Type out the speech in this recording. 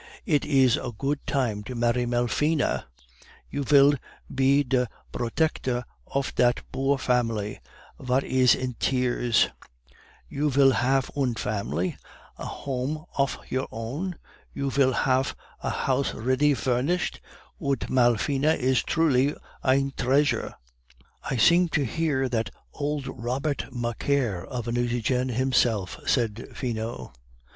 'It ees a goot time to marry Malfina; you vill be der brodector off that boor family vat ess in tears; you vill haf ein family, a home off your own; you vill haf a house ready vurnished, und Malfina is truly ein dreashure.'" "I seem to hear that old Robert Macaire of a Nucingen himself," said Finot.